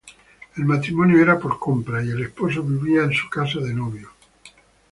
El matrimonio era por compra, y el esposo vivía en su casa de novio.